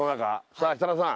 さあ設楽さん